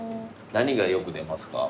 何がよく出ますか？